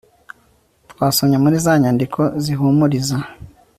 Twasomye muri za nzandiko zihumuriza